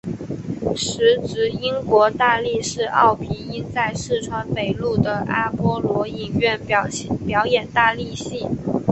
时值英国大力士奥皮音在四川北路的阿波罗影院表演大力戏。